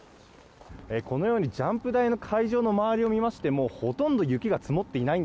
このようにジャンプ台の会場の周りを見ても、ほとんど雪が積もっていません。